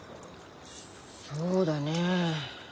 そうだねえ。